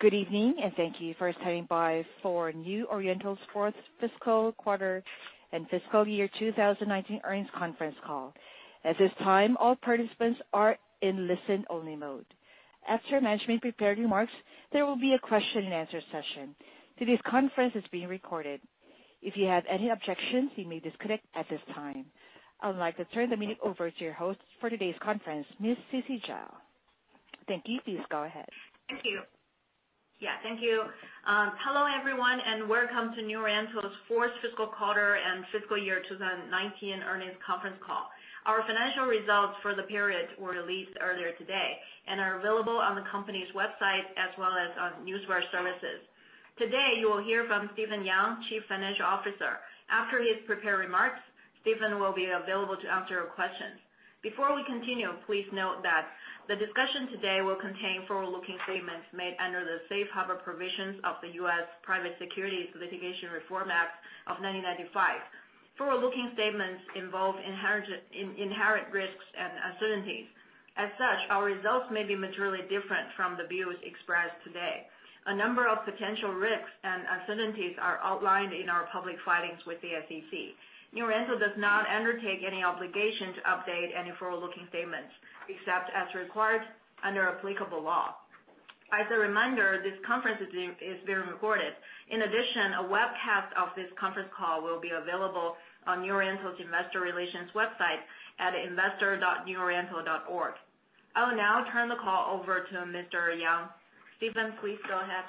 Good evening, and thank you for standing by for New Oriental's fourth fiscal quarter and fiscal year 2019 earnings conference call. At this time, all participants are in listen-only mode. After management prepared remarks, there will be a question-and-answer session. Today's conference is being recorded. If you have any objections, you may disconnect at this time. I would like to turn the meeting over to your host for today's conference, Ms. Sisi Zhao. Thank you. Please go ahead. Thank you. Yeah, thank you. Hello, everyone, and welcome to New Oriental's fourth fiscal quarter and fiscal year 2019 earnings conference call. Our financial results for the period were released earlier today and are available on the company's website as well as on newswire services. Today, you will hear from Stephen Yang, Chief Financial Officer. After his prepared remarks, Stephen will be available to answer your questions. Before we continue, please note that the discussion today will contain forward-looking statements made under the Safe Harbor Provisions of the U.S. Private Securities Litigation Reform Act of 1995. Forward-looking statements involve inherent risks and uncertainties. As such, our results may be materially different from the views expressed today. A number of potential risks and uncertainties are outlined in our public filings with the SEC. New Oriental does not undertake any obligation to update any forward-looking statements, except as required under applicable law. As a reminder, this conference is being recorded. In addition, a webcast of this conference call will be available on New Oriental's Investor Relations website at investor.neworiental.org. I will now turn the call over to Mr. Yang. Stephen, please go ahead.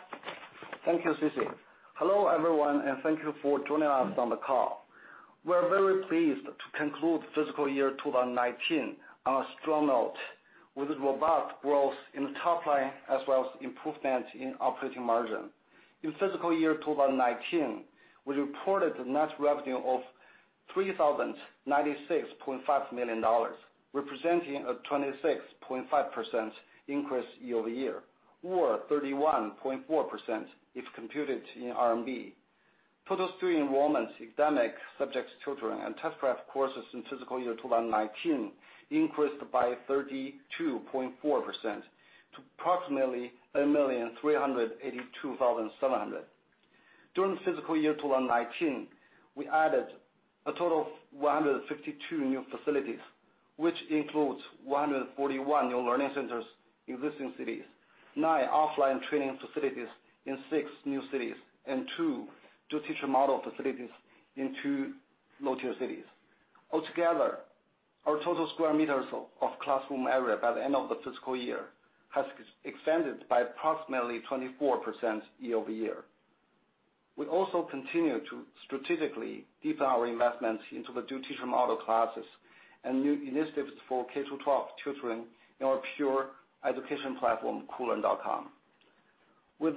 Thank you, Sisi. Hello, everyone, and thank you for joining us on the call. We're very pleased to conclude fiscal year 2019 on a strong note, with robust growth in the top line, as well as improvement in operating margin. In fiscal year 2019, we reported a net revenue of $3,096.5 million, representing a 26.5% increase year-over-year or 31.4% if computed in RMB. Total student enrollments in academic subjects tutoring and test-prep courses in fiscal year 2019 increased by 32.4% to approximately 8,382,700. During fiscal year 2019, we added a total of 152 new facilities, which includes 141 new learning centers in existing cities, nine offline training facilities in six new cities, and two two-teacher model facilities in two low-tier cities. Altogether, our total square meters of classroom area by the end of the fiscal year has expanded by approximately 24% year-over-year. We also continue to strategically deepen our investments into the two-teacher model classes and new initiatives for K-12 tutoring in our pure education platform, Koolearn.com. With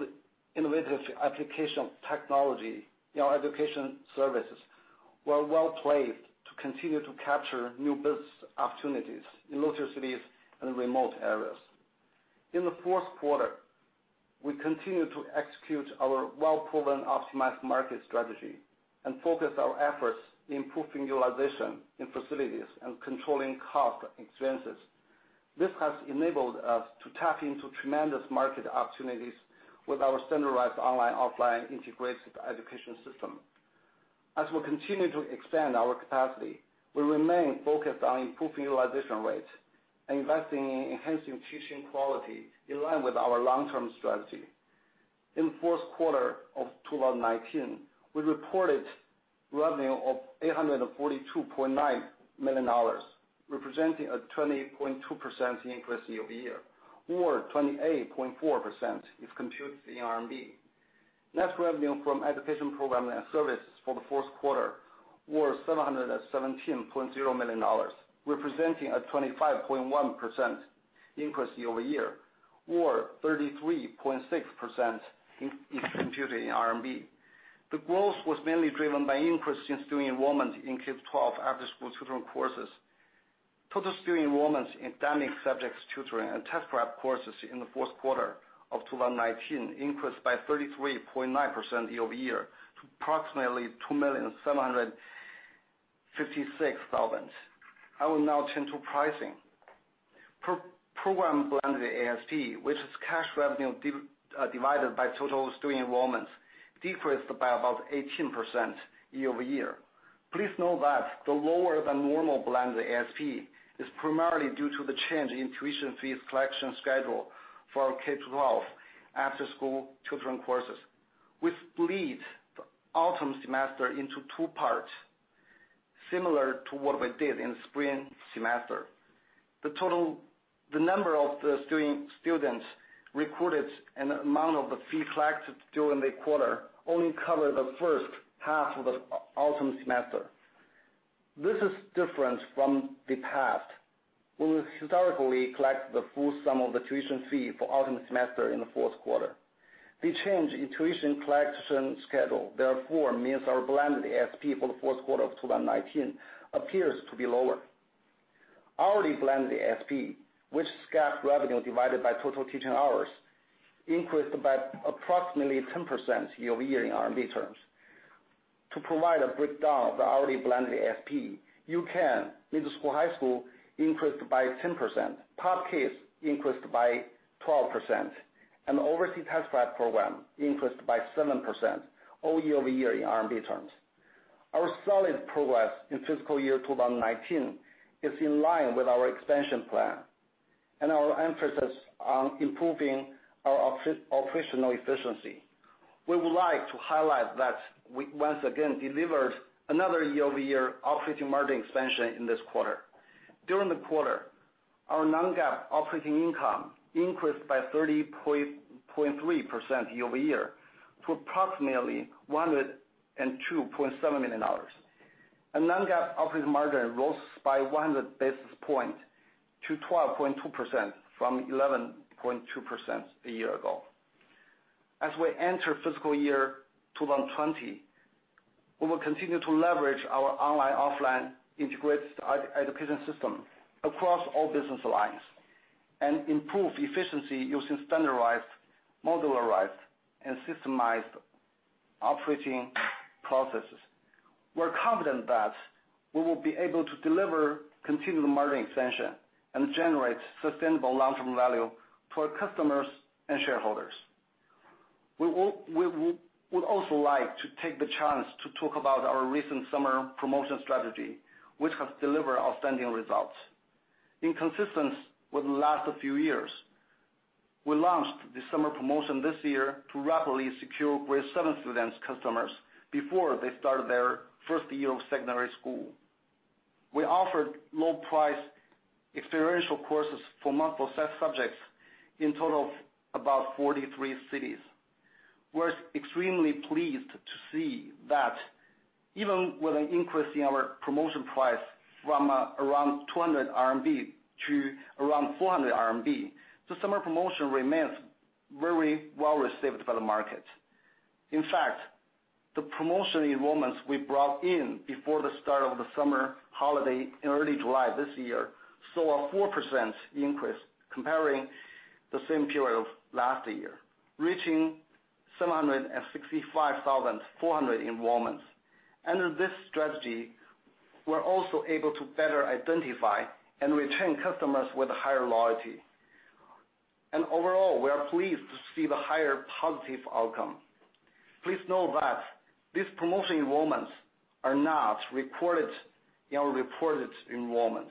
innovative application technology, our education services were well-placed to continue to capture new business opportunities in low-tier cities and remote areas. In the fourth quarter, we continued to execute our well-proven optimized market strategy and focus our efforts improving utilization in facilities and controlling cost expenses. This has enabled us to tap into tremendous market opportunities with our standardized online, offline integrated education system. As we continue to expand our capacity, we remain focused on improving utilization rates and investing in enhancing teaching quality in line with our long-term strategy. In the fourth quarter of 2019, we reported revenue of $842.9 million, representing a 20.2% increase year-over-year or 28.4% if computed in RMB. Net revenue from education program and services for the fourth quarter was $717.0 million, representing a 25.1% increase year-over-year or 33.6% if computed in RMB. The growth was mainly driven by increase in student enrollment in K-12 after-school tutoring courses. Total student enrollments in academic subjects tutoring, and test-prep courses in the fourth quarter of 2019 increased by 33.9% year-over-year to approximately 2,756,000. I will now turn to pricing. Program blended ASP, which is cash revenue divided by total student enrollments, decreased by about 18% year-over-year. Please note that the lower-than-normal blended ASP is primarily due to the change in tuition fees collection schedule for our K-12 after-school tutoring courses, which split the autumn semester into two parts, similar to what we did in the spring semester. The number of the students recruited and the amount of the fee collected during the quarter only cover the first half of the autumn semester. This is different from the past, where we historically collect the full sum of the tuition fee for autumn semester in the fourth quarter. The change in tuition collection schedule, therefore, means our blended ASP for the fourth quarter of 2019 appears to be lower. Hourly blended ASP, which is cash revenue divided by total teaching hours, increased by approximately 10% year-over-year in RMB terms. To provide a breakdown of the already blended ASP, U-Can middle school, high school increased by 10%, POP Kids increased by 12%, and the overseas test prep program increased by 7% all year-over-year in RMB terms. Our solid progress in fiscal year 2019 is in line with our expansion plan and our emphasis on improving our operational efficiency. We would like to highlight that we once again delivered another year-over-year operating margin expansion in this quarter. During the quarter, our non-GAAP operating income increased by 30.3% year-over-year to approximately $102.7 million. Non-GAAP operating margin rose by 100 basis points to 12.2% from 11.2% a year ago. As we enter fiscal year 2020, we will continue to leverage our online, offline integrated education system across all business lines and improve efficiency using standardized, modularized, and systemized operating processes. We're confident that we will be able to deliver continual margin expansion and generate sustainable long-term value for our customers and shareholders. We would also like to take the chance to talk about our recent summer promotion strategy, which has delivered outstanding results. In consistence with last few years, we launched the summer promotion this year to rapidly secure Grade 7 students customers before they started their first year of secondary school. We offered low-priced experiential courses for multiple subjects in total of about 43 cities. We're extremely pleased to see that even with an increase in our promotion price from around 200 RMB to around 400 RMB, the summer promotion remains very well-received by the market. In fact, the promotion enrollments we brought in before the start of the summer holiday in early July this year, saw a 4% increase comparing the same period of last year, reaching 765,400 enrollments. Under this strategy, we're also able to better identify and retain customers with higher loyalty. Overall, we are pleased to see the higher positive outcome. Please know that these promotion enrollments are not recorded in our reported enrollments.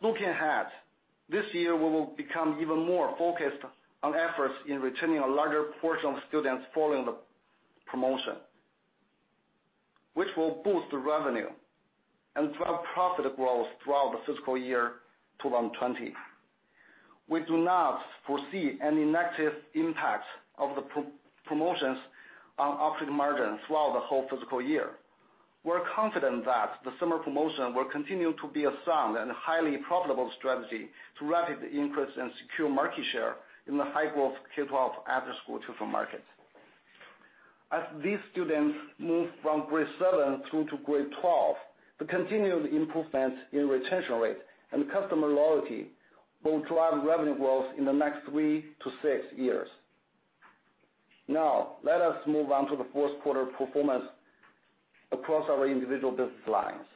Looking ahead, this year we will become even more focused on efforts in retaining a larger portion of students following the promotion, which will boost the revenue and drive profit growth throughout the fiscal year 2020. We do not foresee any negative impact of the promotions on operating margin throughout the whole fiscal year. We're confident that the summer promotion will continue to be a sound and highly profitable strategy to rapidly increase and secure market share in the high-growth K-12 after-school tutor market. As these students move from Grade 7 through to Grade 12, the continued improvement in retention rate and customer loyalty will drive revenue growth in the next three to six years. Now, let us move on to the fourth quarter performance across our individual business lines.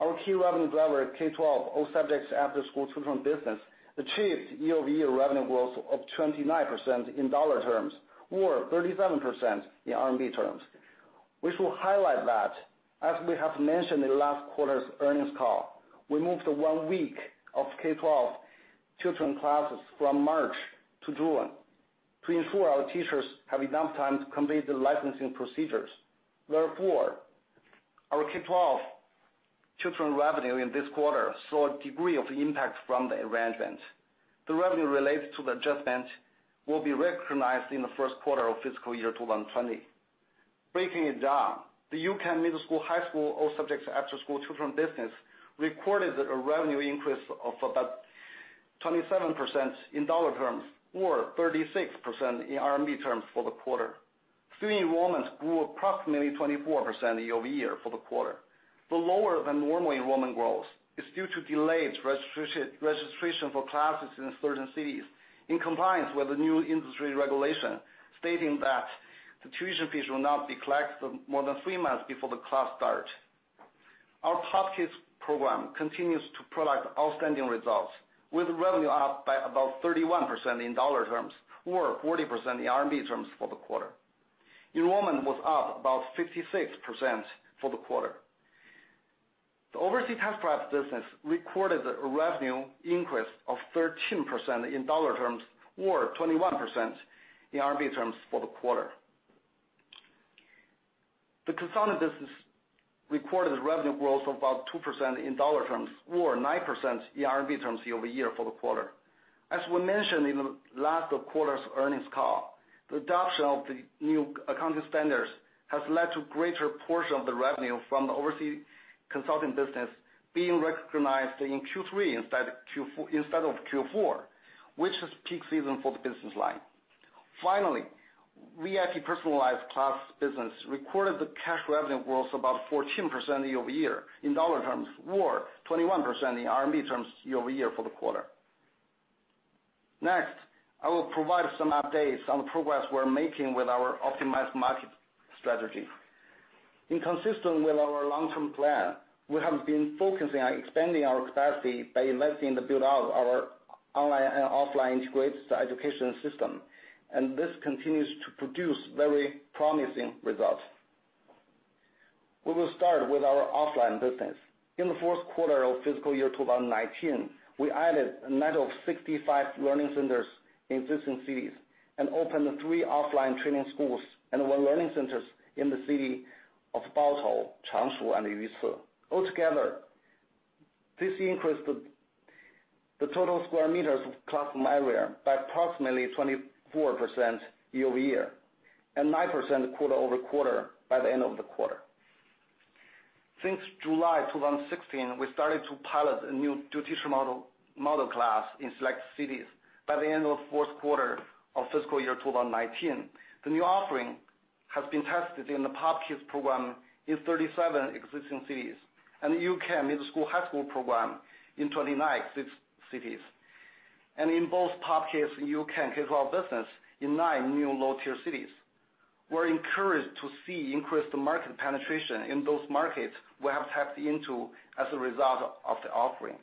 Our key revenue driver K-12 all subjects after-school tutoring business achieved year-over-year revenue growth of 29% in dollar terms or 37% in RMB terms. We should highlight that, as we have mentioned in last quarter's earnings call, we moved one week of K-12 tutoring classes from March to June to ensure our teachers have enough time to complete the licensing procedures. Therefore, our K-12 tutoring revenue in this quarter saw a degree of impact from the arrangement. The revenue related to the adjustment will be recognized in the first quarter of fiscal year 2020. Breaking it down, the U-Can middle school, high school all subjects after-school tutoring business recorded a revenue increase of about 27% in dollar terms or 36% in RMB terms for the quarter. New enrollments grew approximately 24% year-over-year for the quarter. The lower than normal enrollment growth is due to delayed registration for classes in certain cities in compliance with the new industry regulation, stating that the tuition fees will not be collected more than three months before the class start. Our POP Kids program continues to produce outstanding results, with revenue up by about 31% in dollar terms or 40% in RMB terms for the quarter. Enrollment was up about 56% for the quarter. The overseas test prep business recorded a revenue increase of 13% in dollar terms or 21% in RMB terms for the quarter. The consulting business recorded revenue growth of about 2% in dollar terms or 9% in RMB terms year-over-year for the quarter. As we mentioned in the last quarter's earnings call, the adoption of the new accounting standards has led to greater portion of the revenue from the overseas consulting business being recognized in Q3 instead of Q4, which is peak season for the business line. Finally, VIP personalized class business recorded the cash revenue growth about 14% year-over-year in dollar terms or 21% in RMB terms year-over-year for the quarter. Next, I will provide some updates on the progress we're making with our optimized market strategy. Consistent with our long-term plan, we have been focusing on expanding our capacity by investing in the build-out of our online and offline integrated education system, and this continues to produce very promising results. We will start with our offline business. In the fourth quarter of fiscal year 2019, we added a net of 65 learning centers in existing cities and opened three offline training schools and one learning center in the city of Baotou, Changshu, and Yuzhou. Altogether, this increased the total square meters of classroom area by approximately 24% year-over-year, and 9% quarter-over-quarter by the end of the quarter. Since July 2016, we started to pilot a new tuition model class in select cities. By the end of the fourth quarter of fiscal year 2019, the new offering has been tested in the POP Kids program in 37 existing cities, and U-Can middle school, high school program in 29 cities. In both POP Kids and U-Can K-12 business in nine new low-tier cities. We're encouraged to see increased market penetration in those markets we have tapped into as a result of the offering.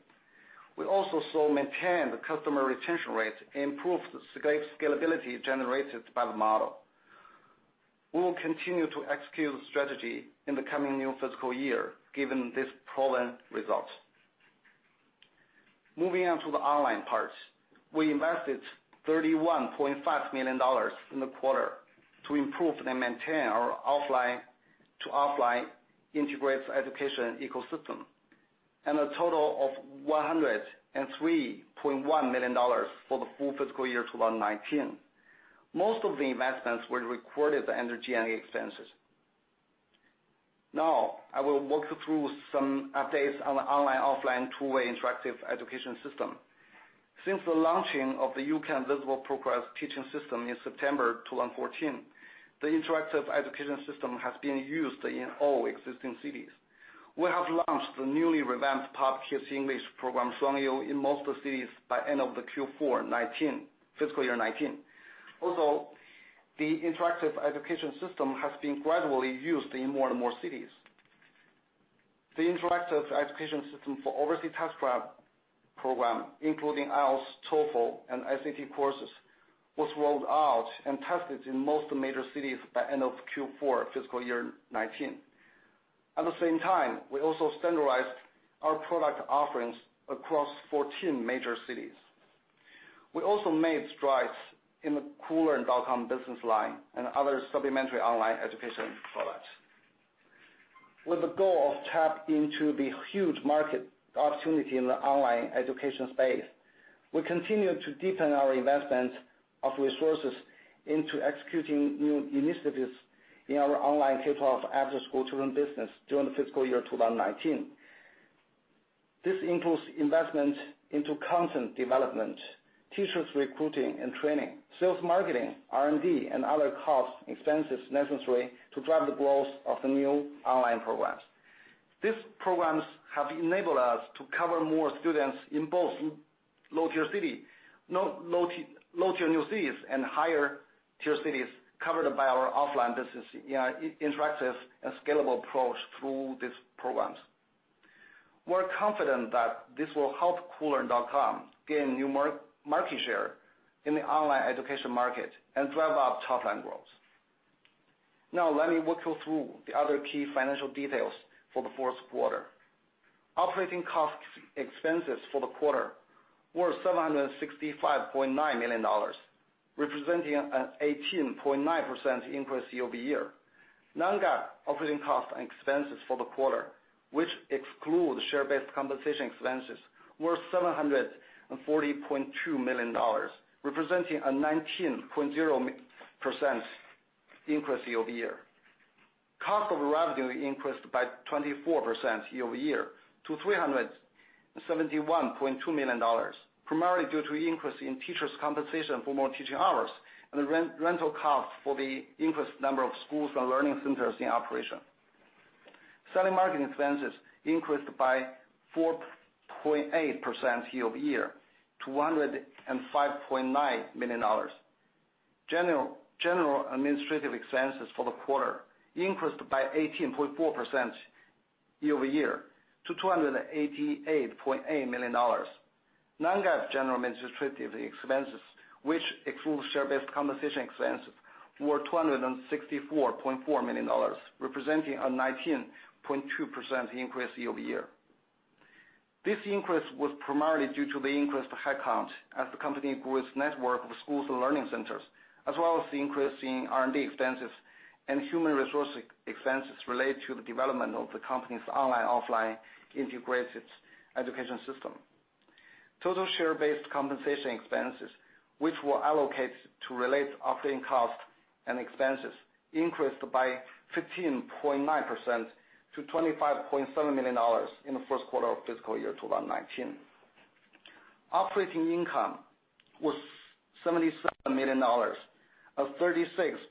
We also saw maintained customer retention rates improve the scalability generated by the model. We will continue to execute the strategy in the coming new fiscal year, given this proven result. Moving on to the online part. We invested $31.5 million in the quarter to improve and maintain our online to offline integrated education ecosystem, and a total of $103.1 million for the full fiscal year 2019. Most of the investments were recorded under G&A expenses. I will walk you through some updates on the online, offline two-way interactive education system. Since the launching of the U-Can Visible Progress Teaching System in September 2014, the interactive education system has been used in all existing cities. We have launched the newly revamped POP Kids English program, Shuangyu, in most of the cities by end of the Q4 fiscal year 2019. The interactive education system has been gradually used in more and more cities. The interactive education system for overseas test prep program, including IELTS, TOEFL, and SAT courses, was rolled out and tested in most major cities by end of Q4 fiscal year 2019. At the same time, we also standardized our product offerings across 14 major cities. We also made strides in the Koolearn.com business line and other supplementary online education products. With the goal of tap into the huge market opportunity in the online education space, we continue to deepen our investment of resources into executing new initiatives in our online K-12 after-school tutoring business during the fiscal year 2019. This includes investment into content development, teachers recruiting and training, sales marketing, R&D, and other cost expenses necessary to drive the growth of the new online programs. These programs have enabled us to cover more students in both low-tier new cities and higher-tier cities covered by our offline business interactive and scalable approach through these programs. We're confident that this will help Koolearn.com gain new market share in the online education market and drive up top-line growth. Now, let me walk you through the other key financial details for the fourth quarter. Operating cost expenses for the quarter were $765.9 million, representing an 18.9% increase year-over-year. Non-GAAP operating costs and expenses for the quarter, which exclude share-based compensation expenses, were $740.2 million, representing a 19.0% increase year-over-year. Cost of revenue increased by 24% year-over-year to $371.2 million, primarily due to increase in teachers' compensation for more teaching hours and the rental cost for the increased number of schools and learning centers in operation. Selling, marketing expenses increased by 4.8% year-over-year to $105.9 million. General administrative expenses for the quarter increased by 18.4% year-over-year to $288.8 million. Non-GAAP general administrative expenses, which exclude share-based compensation expenses, were $264.4 million, representing a 19.2% increase year-over-year. This increase was primarily due to the increased headcount as the company grew its network of schools and learning centers, as well as the increase in R&D expenses and human resource expenses related to the development of the company's online, offline integrated education system. Total share-based compensation expenses, which were allocated to related operating costs and expenses, increased by 15.9% to $25.7 million in the first quarter of fiscal year 2019. Operating income was $77 million, a 36.0%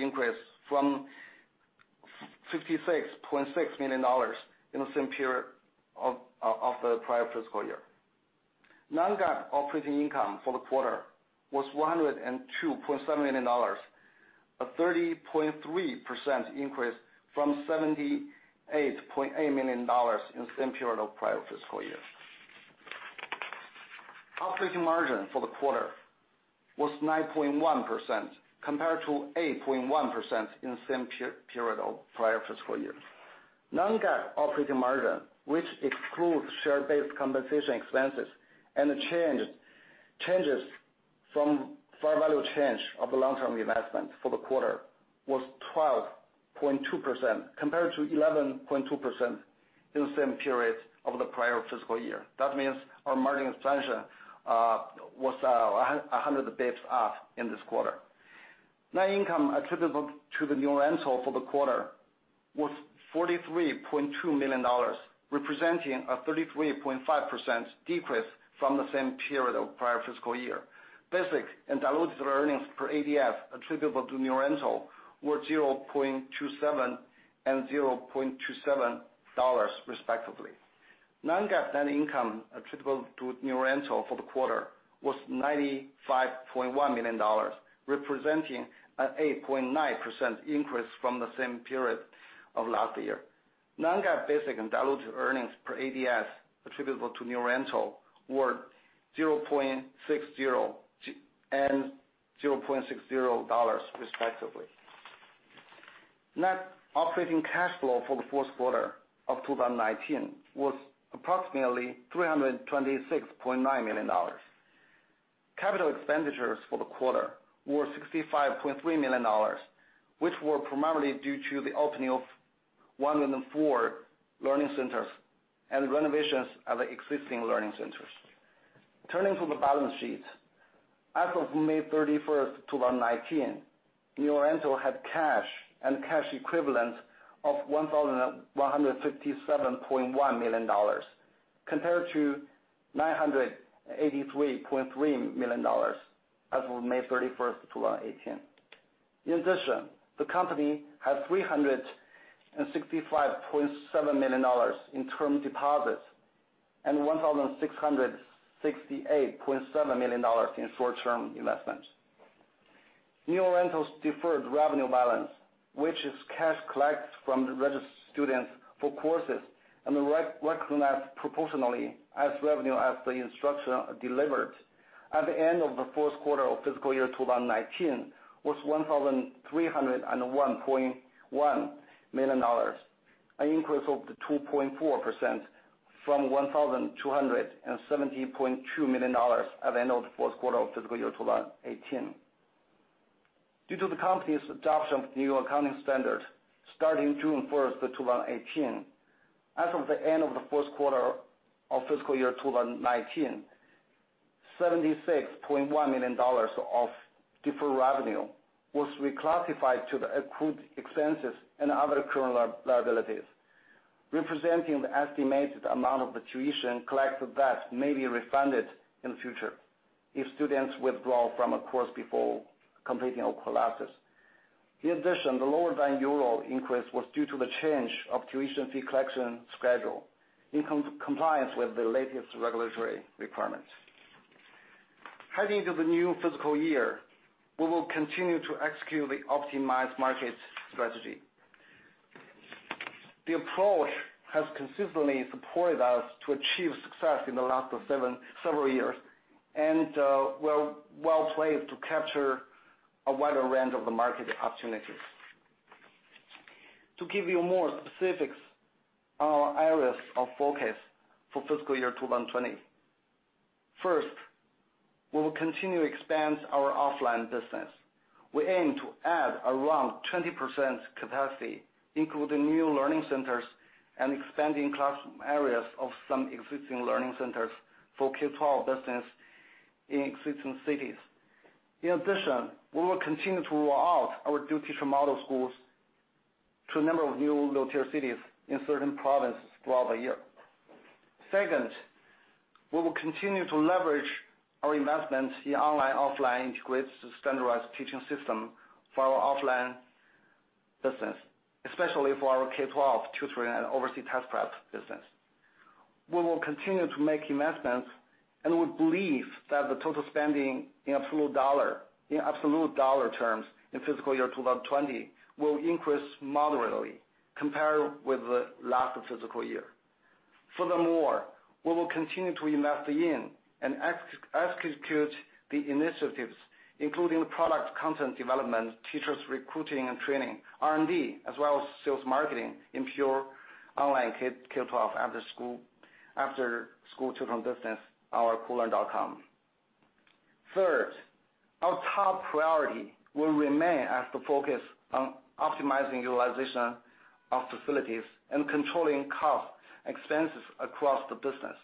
increase from $56.6 million in the same period of the prior fiscal year. Non-GAAP operating income for the quarter was $102.7 million, a 30.3% increase from $78.8 million in the same period of prior fiscal year. Operating margin for the quarter was 9.1% compared to 8.1% in the same period of prior fiscal year. Non-GAAP operating margin, which excludes share-based compensation expenses and the changes from fair value change of the long-term investment for the quarter, was 12.2% compared to 11.2% in the same period of the prior fiscal year. That means our margin expansion was 100 basis points up in this quarter. Net income attributable to New Oriental for the quarter was $43.2 million, representing a 33.5% decrease from the same period of prior fiscal year. Basic and diluted earnings per ADS attributable to New Oriental were $0.27 and $0.27 respectively. Non-GAAP net income attributable to New Oriental for the quarter was $95.1 million, representing an 8.9% increase from the same period of last year. Non-GAAP basic and diluted earnings per ADS attributable to New Oriental were $0.60 and $0.60 respectively. Net operating cash flow for the fourth quarter of 2019 was approximately $326.9 million. Capital expenditures for the quarter were $65.3 million, which were primarily due to the opening of 104 learning centers and renovations of the existing learning centers. Turning to the balance sheet. As of May 31st, 2019, New Oriental had cash and cash equivalents of $1,157.1 million, compared to $983.3 million as of May 31st, 2018. In addition, the company had $365.7 million in term deposits and $1,668.7 million in short-term investments. New Oriental's deferred revenue balance, which is cash collected from registered students for courses and recognized proportionally as revenue as the instruction delivered, at the end of the first quarter of fiscal year 2019 was $1,301.1 million, an increase of 2.4% from $1,270.2 million at the end of the fourth quarter of fiscal year 2018. Due to the company's adoption of new accounting standard starting June 1st, 2018, as of the end of the first quarter of fiscal year 2019, $76.1 million of deferred revenue was reclassified to the accrued expenses and other current liabilities, representing the estimated amount of the tuition collected that may be refunded in future if students withdraw from a course before completing all classes. In addition, the lower than usual increase was due to the change of tuition fee collection schedule in compliance with the latest regulatory requirements. Heading into the new fiscal year, we will continue to execute the optimized markets strategy. The approach has consistently supported us to achieve success in the last several years, and we're well-placed to capture a wider range of the market opportunities. To give you more specifics on our areas of focus for fiscal year 2020, first, we will continue to expand our offline business. We aim to add around 20% capacity, including new learning centers and expanding classroom areas of some existing learning centers for K-12 business in existing cities. In addition, we will continue to roll out our new teacher model schools to a number of new low-tier cities in certain provinces throughout the year. Second, we will continue to leverage our investments in online/offline integrated standardized teaching system for our offline business, especially for our K-12 tutoring and overseas test prep business. We will continue to make investments, and we believe that the total spending in absolute dollar terms in fiscal year 2020 will increase moderately compared with the last fiscal year. We will continue to invest in and execute the initiatives, including the product content development, teachers recruiting and training, R&D, as well as sales marketing in pure online K-12 after-school tutoring business, our Koolearn.com. Third, our top priority will remain as the focus on optimizing utilization of facilities and controlling cost expenses across the business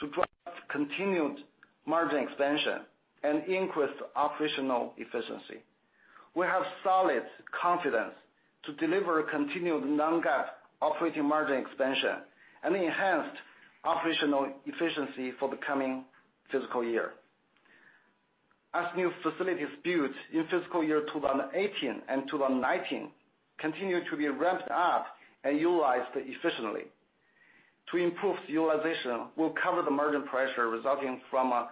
to drive continued margin expansion and increased operational efficiency. We have solid confidence to deliver continued non-GAAP operating margin expansion and enhanced operational efficiency for the coming fiscal year, as new facilities built in fiscal year 2018 and 2019 continue to be ramped up and utilized efficiently. To improve utilization, we'll cover the margin pressure resulting from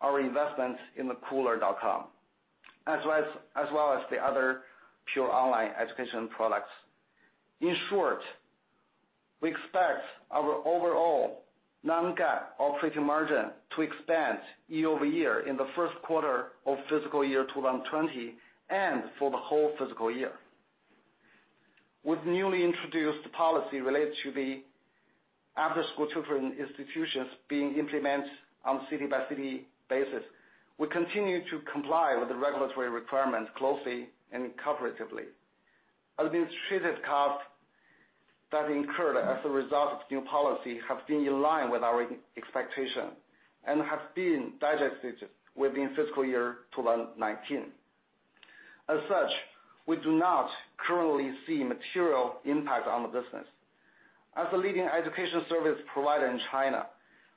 our investments in the Koolearn.com, as well as the other pure online education products. In short, we expect our overall non-GAAP operating margin to expand year-over-year in the first quarter of fiscal year 2020, and for the whole fiscal year. With newly introduced policy related to the after-school tutoring institutions being implemented on city-by-city basis, we continue to comply with the regulatory requirements closely and cooperatively. Administrative costs that incurred as a result of new policy have been in line with our expectation and have been digested within fiscal year 2019. As such, we do not currently see material impact on the business. As a leading education service provider in China,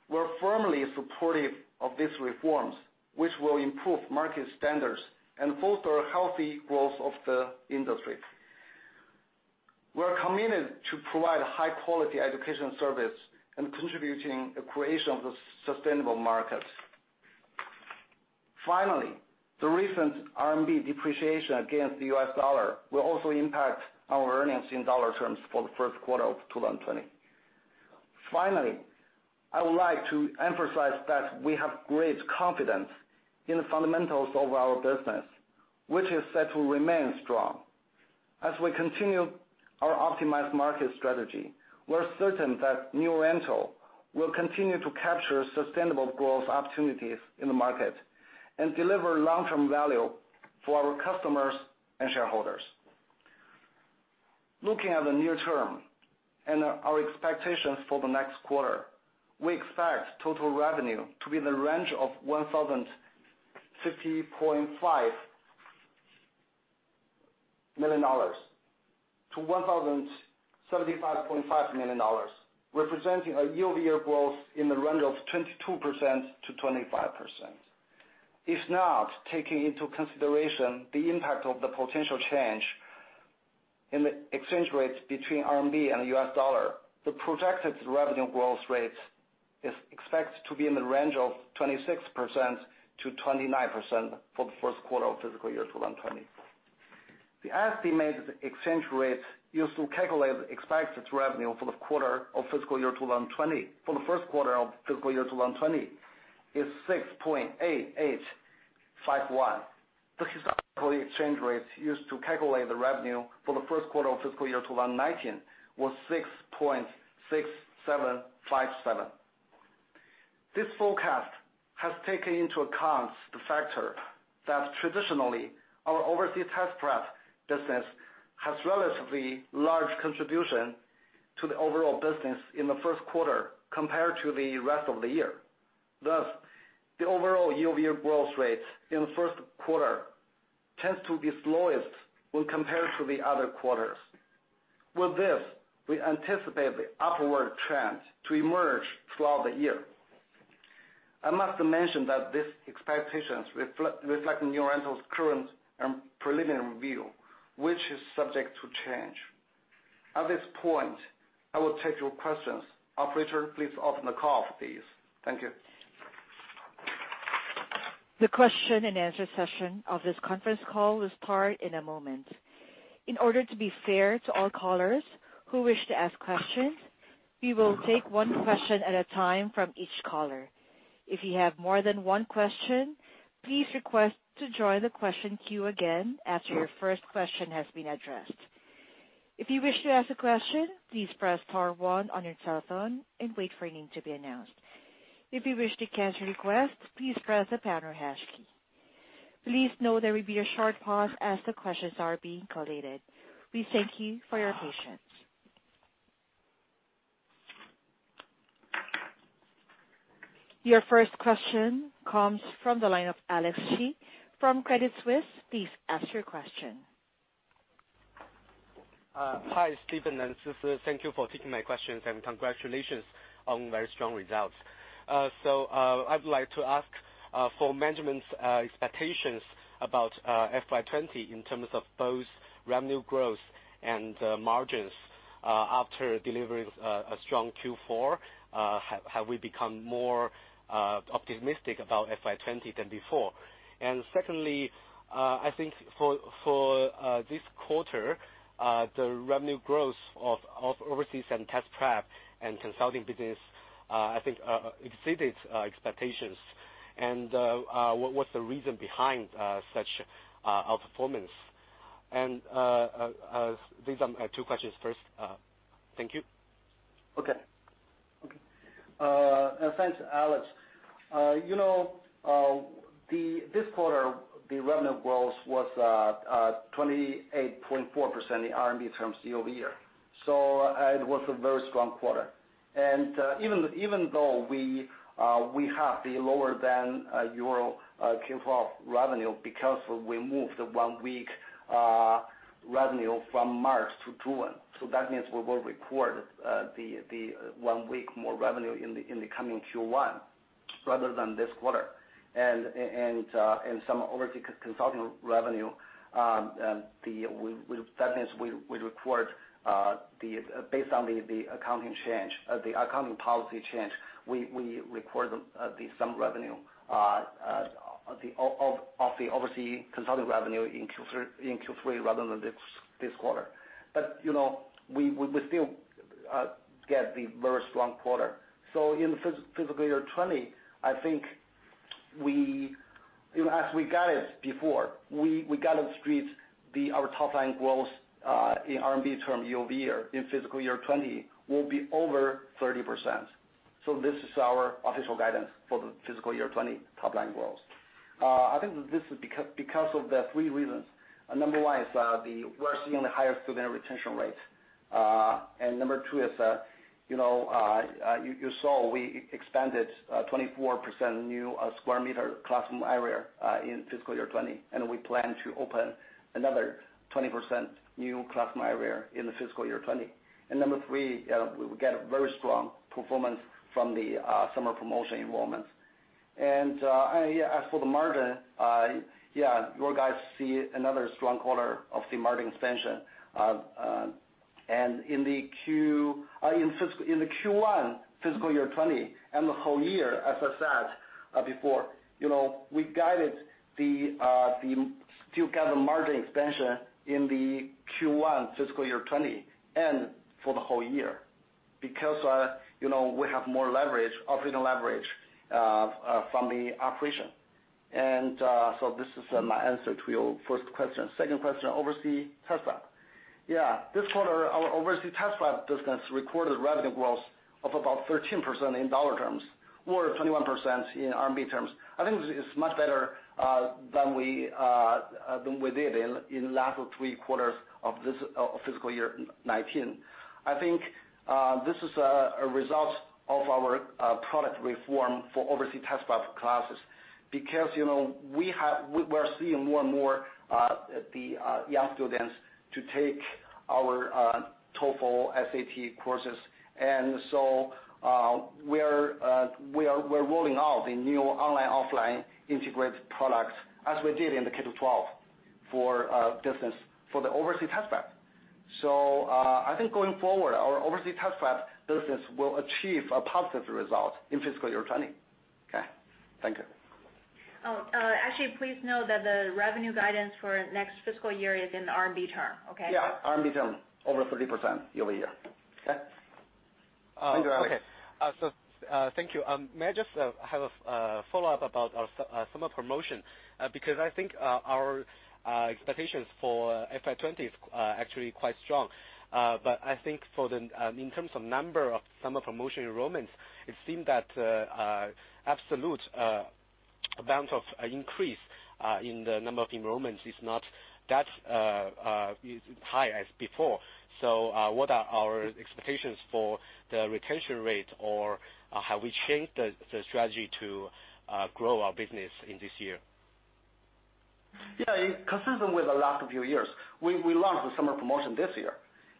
we're firmly supportive of these reforms, which will improve market standards and foster healthy growth of the industry. We're committed to provide high-quality education service and contributing to the creation of a sustainable market. Finally, the recent RMB depreciation against the U.S. dollar will also impact our earnings in dollar terms for the first quarter of 2020. Finally, I would like to emphasize that we have great confidence in the fundamentals of our business, which is set to remain strong. As we continue our optimized market strategy, we're certain that New Oriental will continue to capture sustainable growth opportunities in the market and deliver long-term value for our customers and shareholders. Looking at the near term and our expectations for the next quarter, we expect total revenue to be in the range of $1,050.5 million-$1,075.5 million, representing a year-over-year growth in the range of 22%-25%. If not taking into consideration the impact of the potential change in the exchange rates between RMB and the U.S. dollar, the projected revenue growth rate is expected to be in the range of 26%-29% for the first quarter of fiscal year 2020. The estimated exchange rate used to calculate the expected revenue for the first quarter of fiscal year 2020 is 6.8851. The historical exchange rate used to calculate the revenue for the first quarter of fiscal year 2019 was 6.6757. This forecast has taken into account the factor that traditionally, our overseas test prep business has relatively large contribution to the overall business in the first quarter compared to the rest of the year. Thus, the overall year-over-year growth rate in the first quarter tends to be slowest when compared to the other quarters. With this, we anticipate the upward trend to emerge throughout the year. I must mention that these expectations reflect New Oriental's current and preliminary view, which is subject to change. At this point, I will take your questions. Operator, please open the call, please. Thank you. The question-and-answer session of this conference call will start in a moment. In order to be fair to all callers who wish to ask questions, we will take one question at a time from each caller. If you have more than one question, please request to join the question queue again after your first question has been addressed. If you wish to ask a question, please press star one on your telephone and wait for your name to be announced. If you wish to cancel your request, please press the pound or hash key. Please note there will be a short pause as the questions are being collated. We thank you for your patience. Your first question comes from the line of Alex Xie from Credit Suisse. Please ask your question. Hi, Stephen and Sisi. Thank you for taking my questions, and congratulations on very strong results. I'd like to ask for management's expectations about FY 2020 in terms of both revenue growth and margins after delivering a strong Q4. Have we become more optimistic about FY 2020 than before? Secondly, I think for this quarter, the revenue growth of overseas test prep and consulting business I think exceeded expectations. What's the reason behind such outperformance? These are my two questions first. Thank you. Okay. Thanks, Alex. This quarter, the revenue growth was 28.4% in RMB terms year-over-year. It was a very strong quarter. Even though we have the lower than usual Q4 revenue because we moved the one week revenue from March to June, that means we will record the one week more revenue in the coming Q1 rather than this quarter. Some overseas consulting revenue, that means based on the accounting policy change, we record some revenue of the overseas consulting revenue in Q3 rather than this quarter. We still get the very strong quarter. In fiscal year 2020, I think as we guided before, we got in the street our top line growth in RMB terms year-over-year in fiscal year 2020 will be over 30%. This is our official guidance for the fiscal year 2020 top line growth. I think this is because of the three reasons. Number one is we are seeing a higher student retention rate. Number two is, you saw we expanded 24% new square meter classroom area in fiscal year 2020, and we plan to open another 20% new classroom area in the fiscal year 2020. Number three, we get very strong performance from the summer promotion enrollments. As for the margin, you guys see another strong quarter of the margin expansion. In the Q1 fiscal year 2020 and the whole year, as I said before, we guided the still guided margin expansion in the Q1 fiscal year 2020 for the whole year. Because we have more operating leverage from the operation. This is my answer to your first question. Second question, overseas test prep. This quarter, our overseas test prep business recorded revenue growth of about 13% in dollar terms or 21% in RMB terms. I think it's much better than we did in the last three quarters of fiscal year 2019. I think this is a result of our product reform for overseas test prep classes because we are seeing more and more the young students to take our TOEFL, SAT courses. So we're rolling out the new online/offline integrated product as we did in the K-12 for the overseas test prep. I think going forward, our overseas test prep business will achieve a positive result in fiscal year 2020. Okay, thank you. Oh, actually, please note that the revenue guidance for next fiscal year is in RMB term, okay? Yeah, RMB term, over 30% year-over-year. Okay. Thank you, Alex. Okay. Thank you. May I just have a follow-up about our summer promotion, because I think our expectations for FY 2020 is actually quite strong. I think in terms of number of summer promotion enrollments, it seemed that absolute amount of increase in the number of enrollments is not that high as before. What are our expectations for the retention rate or have we changed the strategy to grow our business in this year? Yeah. Consistent with the last few years.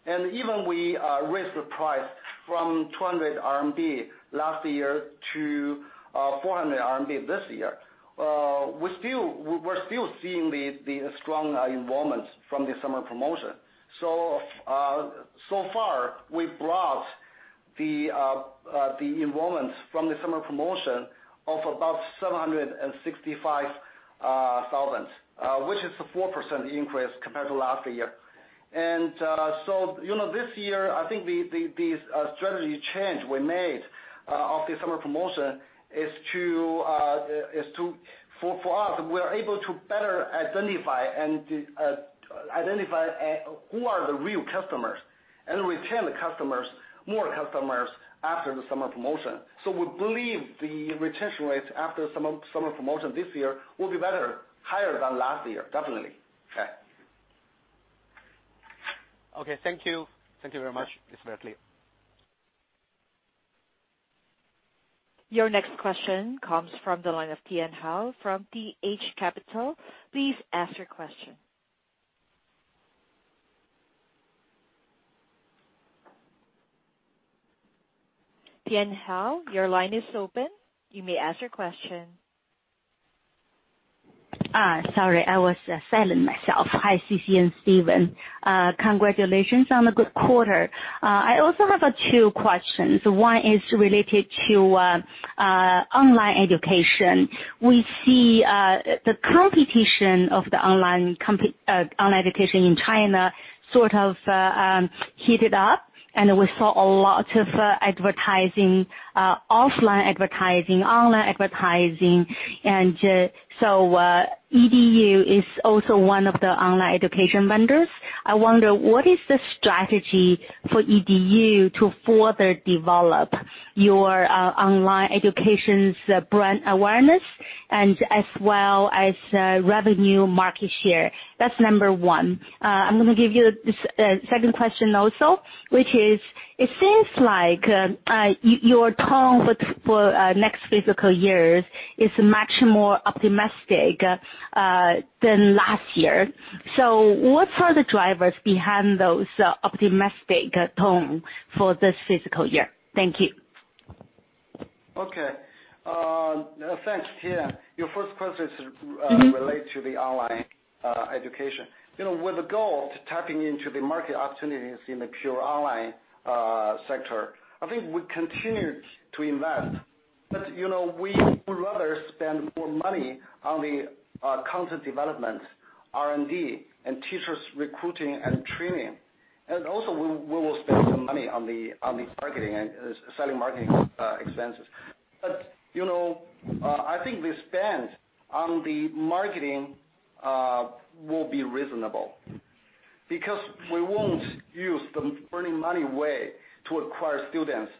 Even we raised the price from 200 RMB last year to 400 RMB this year. We're still seeing the strong enrollments from the summer promotion. Far we've brought the enrollments from the summer promotion of about 765,000, which is a 4% increase compared to last year. This year, I think the strategy change we made of the summer promotion is for us, we are able to better identify who are the real customers and retain the customers, more customers after the summer promotion. We believe the retention rate after summer promotion this year will be better, higher than last year, definitely. Okay. Okay. Thank you. Thank you very much. It's very clear. Your next question comes from the line of Tian Hou from TH Capital. Please ask your question. Tian Hou, your line is open. You may ask your question. Sorry, I was silent myself. Hi, Sisi and Stephen. Congratulations on a good quarter. I also have two questions. One is related to online education. We see the competition of the online education in China sort of heated up, and we saw a lot of advertising, offline advertising, online advertising. EDU is also one of the online education vendors. I wonder, what is the strategy for EDU to further develop your online education's brand awareness and as well as revenue market share? That's number one. I'm gonna give you the second question also, which is, it seems like your tone for next fiscal years is much more optimistic than last year. What are the drivers behind those optimistic tone for this fiscal year? Thank you. Okay. Thanks, Tian. Your first question relates to the online education. With a goal to tapping into the market opportunities in the pure online sector, I think we continue to invest, but we would rather spend more money on the content development, R&D, and teachers recruiting and training. Also, we will spend some money on the marketing and selling marketing expenses. I think the spend on the marketing will be reasonable, because we won't use the burning money way to acquire students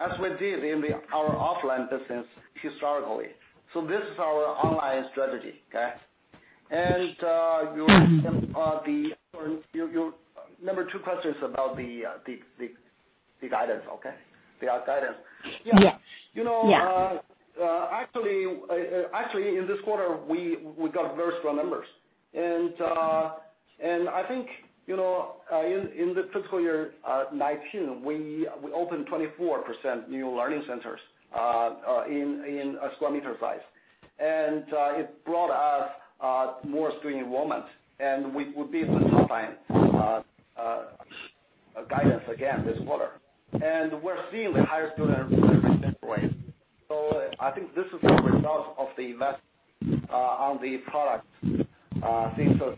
as we did in our offline business historically. This is our online strategy, okay? Your number two question is about the guidance, okay? The guidance. Yes. Actually, in this quarter, we got very strong numbers. I think, in the fiscal year 2019, we opened 24% new learning centers in square meter size. It brought us more student enrollment, and we will be able to guidance again this quarter. We're seeing the higher student retention rate. I think this is the result of the investment on the product since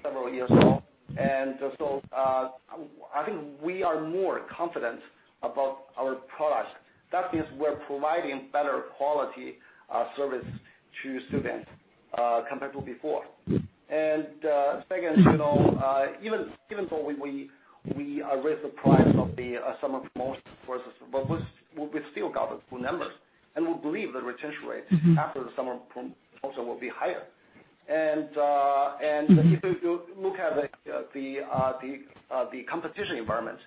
several years now. I think we are more confident about our product. That means we're providing better quality service to students compared to before. Second, even though we raised the price of the summer promotion courses, but we still got the full numbers, and we believe the retention rate after the summer promotion will be higher. If you look at the competition environment,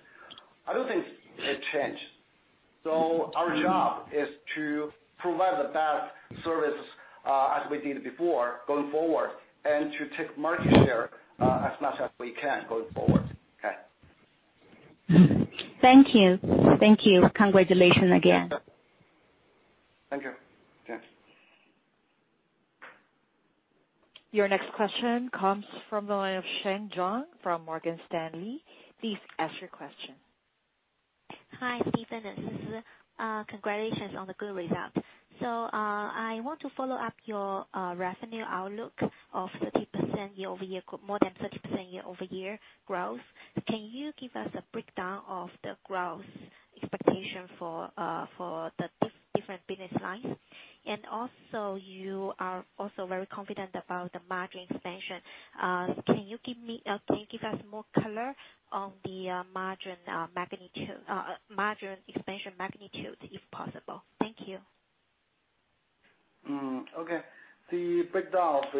I don't think it changed. Our job is to provide the best service as we did before going forward, and to take market share as much as we can going forward. Okay. Thank you. Thank you. Congratulations again. Thank you. Thanks. Your next question comes from the line of Sheng Zhong from Morgan Stanley. Please ask your question. Hi, Stephen, Congratulations on the good results. I want to follow up your revenue outlook of more than 30% year-over-year growth. Can you give us a breakdown of the growth expectation for the different business lines? You are also very confident about the margin expansion. Can you give us more color on the margin expansion magnitude, if possible? Thank you. Okay. The breakdown of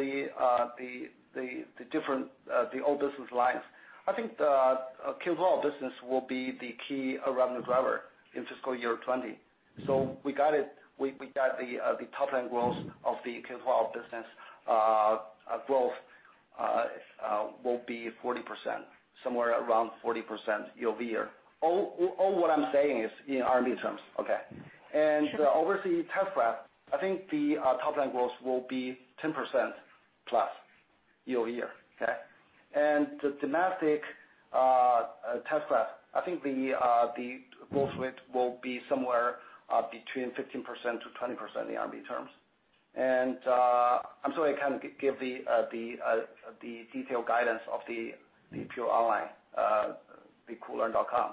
the old business lines, I think the K-12 business will be the key revenue driver in fiscal year 2020. We got the top-line growth of the K-12 business growth will be 40%, somewhere around 40% year-over-year. All what I'm saying is in RMB terms, okay? overseas test prep, I think the top-line growth will be 10%+ year-over-year, okay? The domestic test prep, I think the growth rate will be somewhere between 15%-20% in RMB terms. I'm sorry I can't give the detailed guidance of the pure online, the Koolearn.com,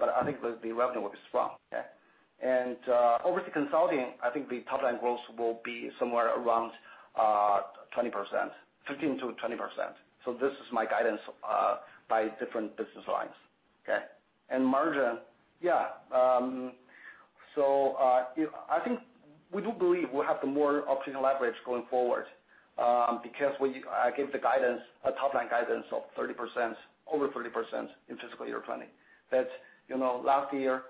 but I think the revenue will be strong, okay? Overseas consulting, I think the top-line growth will be somewhere around 15%-20%. This is my guidance by different business lines, okay? Margin, yeah. I think we do believe we have the more optional leverage going forward, because when I give the top-line guidance of over 30% in fiscal year 2020. That last year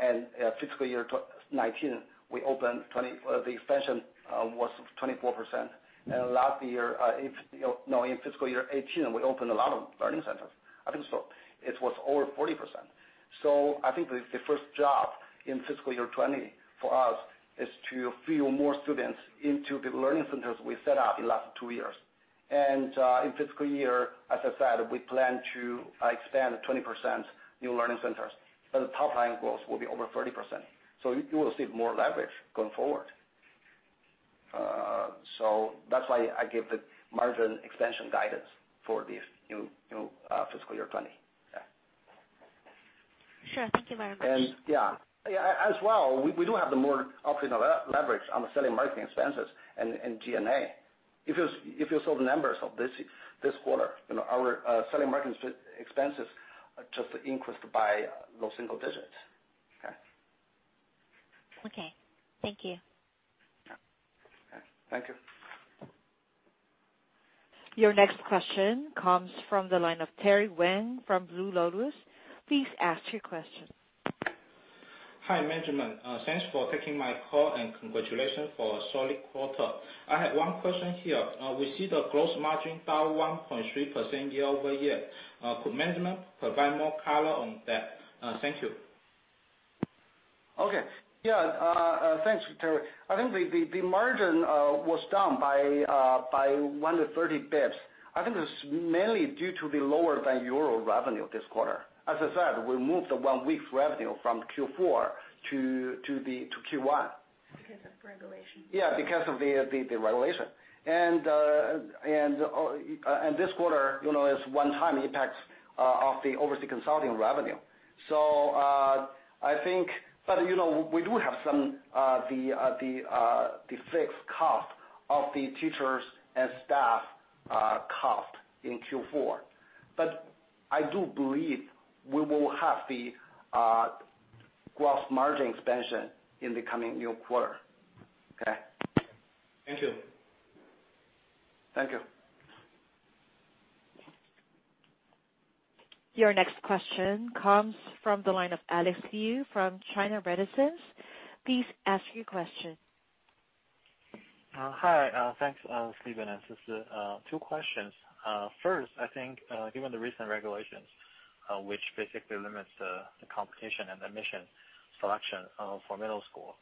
and fiscal year 2019, the expansion was 24%. In fiscal year 2018, we opened a lot of learning centers. I think it was over 40%. I think the first job in fiscal year 2020 for us is to fill more students into the learning centers we set up in last two years. In fiscal year, as I said, we plan to expand 20% new learning centers, but the top-line growth will be over 30%. You will see more leverage going forward. That's why I give the margin expansion guidance for this new fiscal year 2020. Yeah. Sure. Thank you very much. Yeah. As well, we do have the more optional leverage on the selling marketing expenses and G&A. If you saw the numbers of this quarter, our selling marketing expenses just increased by low single-digits. Okay. Okay. Thank you. Yeah. Okay. Thank you. Your next question comes from the line of Tianli Wen from Blue Lotus. Please ask your question. Hi, management. Thanks for taking my call and congratulations for a solid quarter. I have one question here. We see the gross margin down 1.3% year-over-year. Could management provide more color on that? Thank you. Okay. Yeah. Thanks, Tianli. I think the margin was down by 130 basis points. I think it was mainly due to the lower than expected revenue this quarter. As I said, we moved the one week revenue from Q4 to Q1. Because of regulation. Yeah, because of the regulation. This quarter is one-time impact of the overseas consulting revenue. We do have some the fixed cost of the teachers and staff cost in Q4. I do believe we will have the gross margin expansion in the coming new quarter. Okay. Thank you. Thank you. Your next question comes from the line of Alex Liu from China Renaissance. Please ask your question. Hi, thanks, Stephen. This is two questions. First, I think given the recent regulations, which basically limits the competition and admission selection for middle school,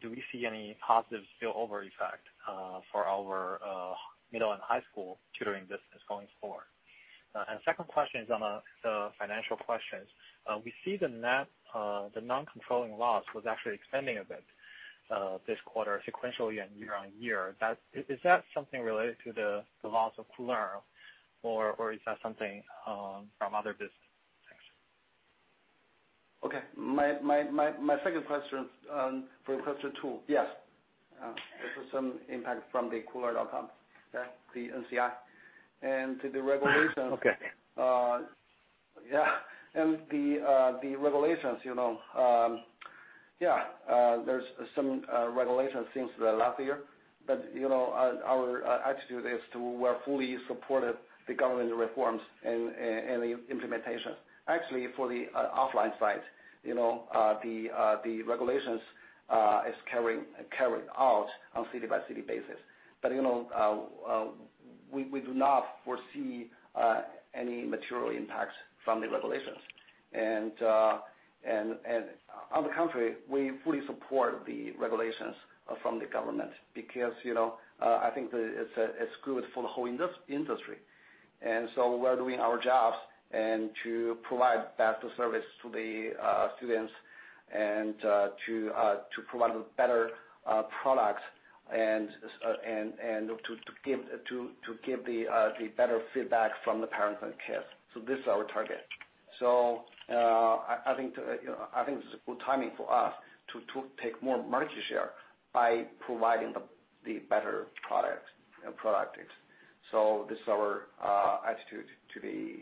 do we see any positive spillover effect for our middle and high school tutoring business going forward? Second question is on the financial questions. We see the non-controlling loss was actually expanding a bit this quarter sequentially and year-on-year. Is that something related to the loss of Koolearn or is that something from other business sections? Okay. My second answer for question two. Yes. This is some impact from the Koolearn.com, yeah, the NCI. Okay. Yeah. The regulations, there's some regulations since the last year, our attitude is to we're fully supported the government reforms and the implementation. Actually for the offline side the regulations is carried out on city-by-city basis. We do not foresee any material impact from the regulations. On the contrary, we fully support the regulations from the government because I think it's good for the whole industry. We're doing our jobs and to provide better service to the students and to provide a better product and to give the better feedback from the parents and kids. This is our target. I think this is a good timing for us to take more market share by providing the better product. This is our attitude to the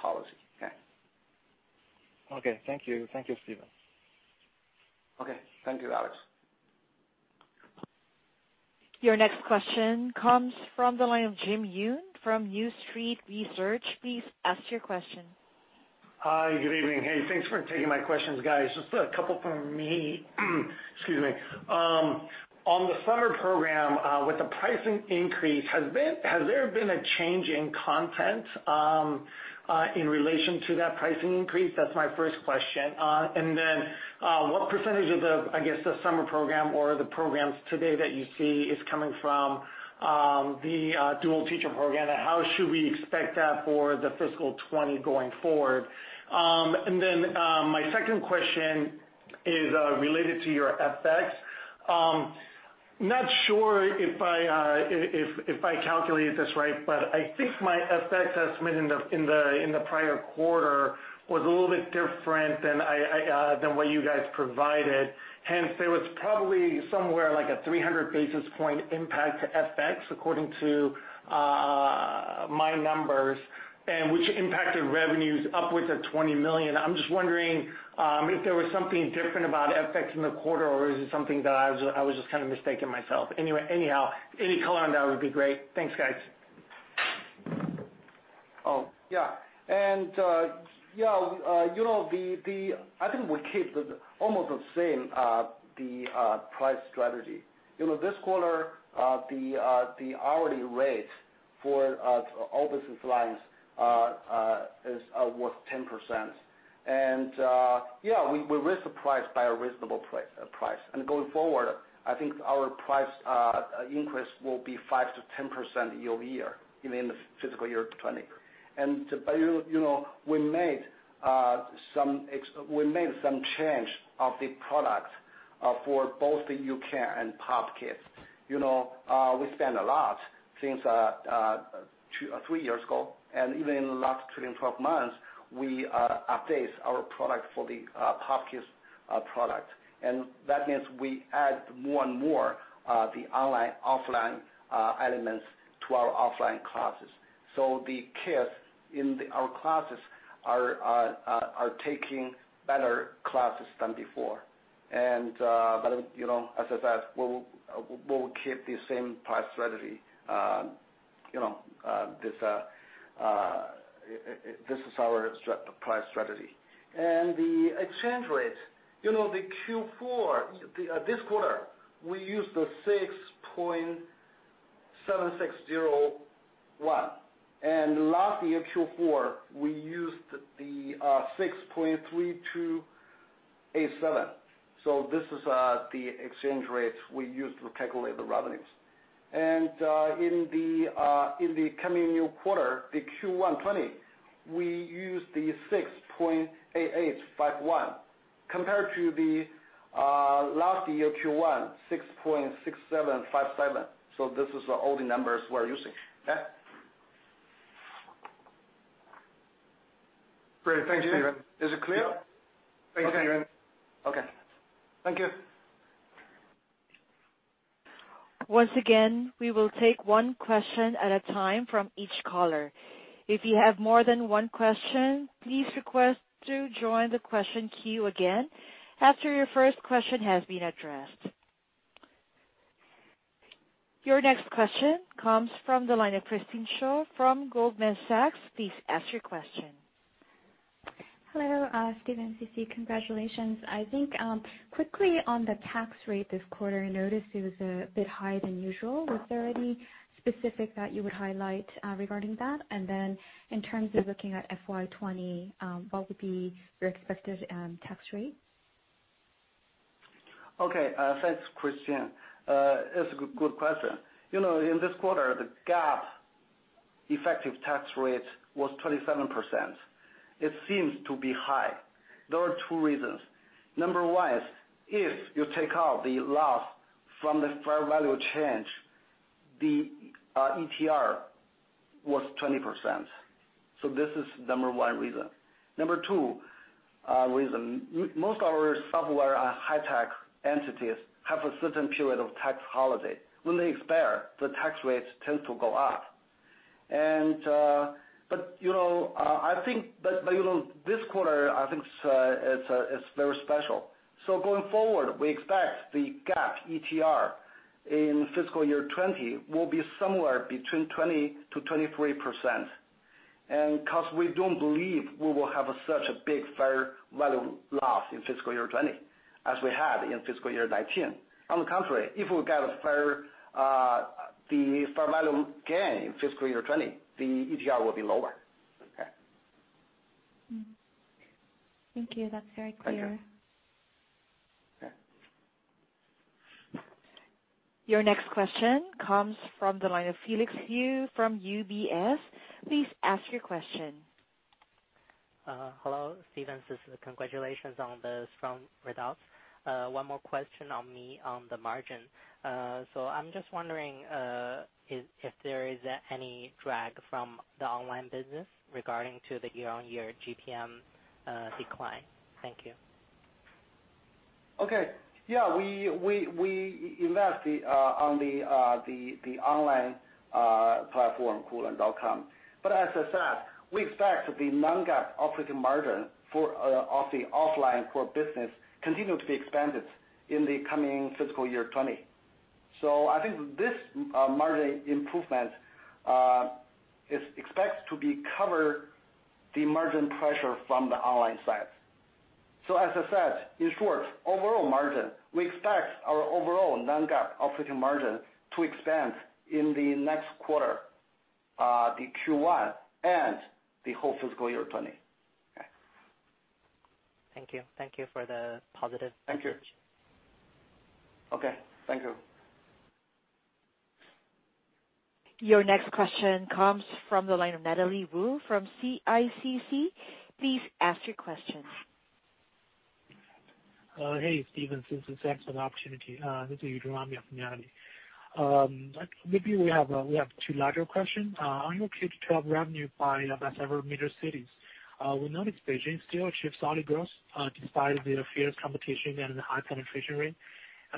policy. Okay. Okay. Thank you, Stephen. Okay. Thank you, Alex. Your next question comes from the line of Jin Yoon from New Street Research. Please ask your question. Hi, good evening. Thanks for taking my questions, guys. Just a couple from me. Excuse me. On the summer program, with the pricing increase, has there been a change in content in relation to that pricing increase? That's my first question. What percentage of the, I guess, the summer program or the programs today that you see is coming from the two-teacher model, and how should we expect that for the fiscal 2020 going forward? My second question is related to your FX. Not sure if I calculated this right, but I think my FX estimate in the prior quarter was a little bit different than what you guys provided. There was probably somewhere like a 300 basis point impact to FX according to my numbers, and which impacted revenues upwards of $20 million. I'm just wondering if there was something different about FX in the quarter, or is it something that I was just kind of mistaken myself. Anyhow, any color on that would be great. Thanks, guys. Yeah. I think we keep almost the same price strategy. This quarter the hourly rate for all business lines was 10%. Yeah, we raise the price by a reasonable price. Going forward, I think our price increase will be 5%-10% year-over-year in the fiscal year 2020. We made some change of the product for both the U-Can and POP Kids. We spent a lot since three years ago, and even in the last 12 months, we update our product for the POP Kids product. That means we add more and more the online/offline elements to our offline classes. The kids in our classes are taking better classes than before. As I said, we'll keep the same price strategy. This is our price strategy. The exchange rate, the Q4, this quarter, we used the 6.37601. Last year Q4, we used the 6.3287. This is the exchange rates we used to calculate the revenues. In the coming new quarter, the Q1 2020, we used the 6.8851 compared to the last year Q1, 6.6757. This is all the numbers we're using. Okay. Great. Thank you. Is it clear? Thanks anyway. Okay. Thank you. Once again, we will take one question at a time from each caller. If you have more than one question, please request to join the question queue again after your first question has been addressed. Your next question comes from the line of Christine Cho from Goldman Sachs. Please ask your question. Hello, Stephen, Sisi. Congratulations. I think, quickly on the tax rate this quarter, I noticed it was a bit higher than usual. Was there any specific that you would highlight regarding that? Then in terms of looking at FY 2020, what would be your expected tax rate? Okay. Thanks, Christine. It's a good question. In this quarter, the GAAP effective tax rate was 27%. It seems to be high. There are two reasons. Number one, if you take out the loss from the fair value change, the ETR was 20%. This is number one reason. Number two reason, most our software, high tech entities have a certain period of tax holiday. When they expire, the tax rates tend to go up. This quarter, I think it's very special. Going forward, we expect the GAAP ETR in fiscal year 2020 will be somewhere between 20%-23%. Because we don't believe we will have such a big fair value loss in fiscal year 2020 as we had in fiscal year 2019. On the contrary, if we get the fair value gain in fiscal year 2020, the ETR will be lower. Okay. Thank you. That's very clear. Okay. Your next question comes from the line of Felix Liu from UBS. Please ask your question. Hello, Stephen. Congratulations on the strong results. One more question on the margin. I'm just wondering if there is any drag from the online business regarding to the year-on-year GPM decline. Thank you. Okay. Yeah, we invest on the online platform, Koolearn.com. As I said, we expect the non-GAAP operating margin of the offline core business continue to be expanded in the coming fiscal year 2020. I think this margin improvement is expected to be cover the margin pressure from the online side. As I said, in short, overall margin, we expect our overall non-GAAP operating margin to expand in the next quarter, the Q1, and the whole fiscal year 2020. Okay. Thank you. Thank you for the positive- Thank you. Okay. Thank you. Your next question comes from the line of Natalie Wu from CICC. Please ask your question. Hey, Stephen. Since this is an excellent opportunity. This is Liu for Natalie. Maybe we have two larger questions. On your K-12 revenue by several major cities. We noticed Beijing still achieved solid growth despite the fierce competition and the high penetration rate.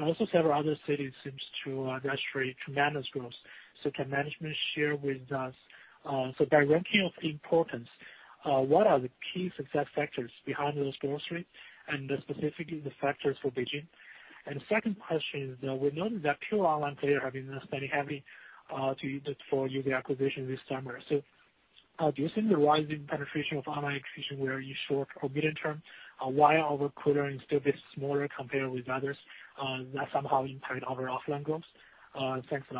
Also several other cities seems to demonstrate tremendous growth. Can management share with us, by ranking of importance, what are the key success factors behind those growth rate and specifically the factors for Beijing? Second question is that we know that pure online player have been spending heavily for user acquisition this summer. Do you think the rising penetration of online education where you short or medium term, while our Koolearn is still a bit smaller compared with others that somehow impact our offline growth? Thanks a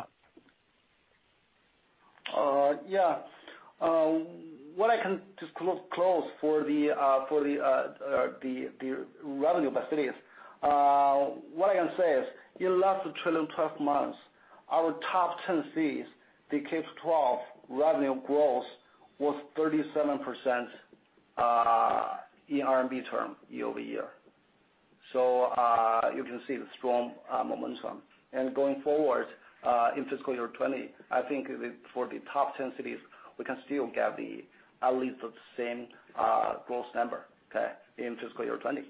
lot. Yeah. What I can just close for the revenue by cities, what I can say is, in last 12 months, our top 10 cities, the K-12 revenue growth was 37% in RMB term year-over-year. You can see the strong momentum. Going forward, in fiscal year 2020, I think for the top 10 cities, we can still get at least the same growth number, okay, in fiscal year 2020.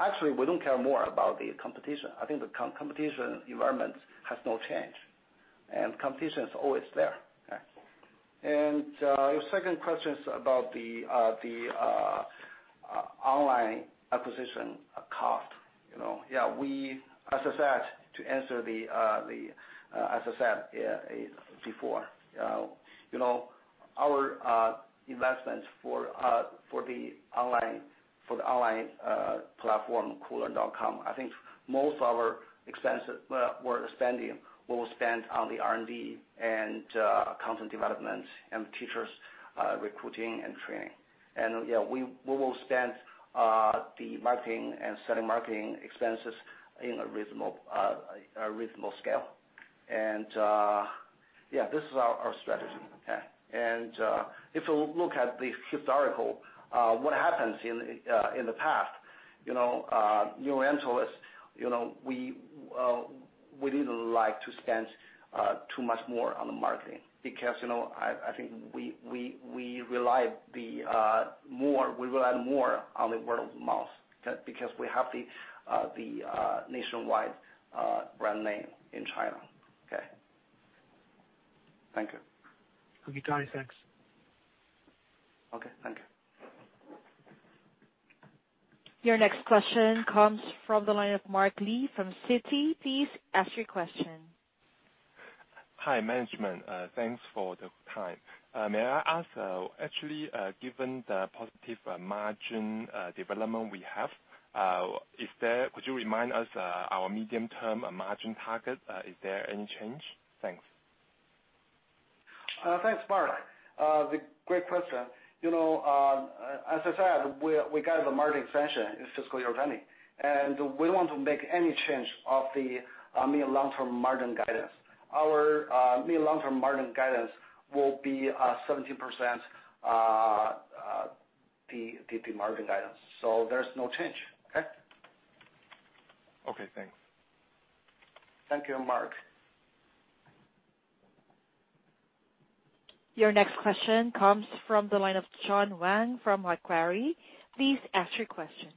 Actually, we don't care more about the competition. I think the competition environment has not changed. Competition is always there. Okay. Your second question is about the online acquisition cost. As I said before, our investment for the online platform, Koolearn.com. I think most of our spending will be spent on the R&D and content development and teacher recruiting and training. We will spend the marketing and selling marketing expenses in a reasonable scale. This is our strategy. Okay. If you look at the historical, what happens in the past, New Oriental is, we didn't like to spend too much more on the marketing because I think we rely more on the word of mouth, because we have the nationwide brand name in China. Okay. Thank you. Okay, got it. Thanks. Okay. Thank you. Your next question comes from the line of Mark Li from Citi. Please ask your question. Hi, management. Thanks for the time. May I ask, actually, given the positive margin development we have, could you remind us our medium-term margin target? Is there any change? Thanks. Thanks, Mark. Great question. As I said, we got the margin expansion in fiscal year 2020, and we won't make any change of the medium long-term margin guidance. Our medium long-term margin guidance will be 17%, the margin guidance. There's no change. Okay. Okay, thanks. Thank you, Mark. Your next question comes from the line of Jon Huang from Macquarie. Please ask your question.